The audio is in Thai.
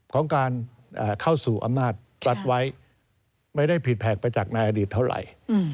ของการเข้าสู่อำนาจรัฐไว้ไม่ได้ผิดแผกไปจากในอดีตเท่าไหร่